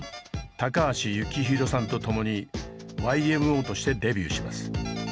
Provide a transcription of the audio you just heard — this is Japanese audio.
高橋幸宏さんとともにＹＭＯとしてデビューします。